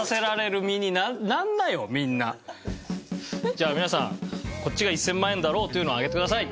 じゃあ皆さんこっちが１０００万円だろうというのを上げてください。